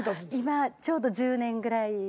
今ちょうど１０年ぐらい。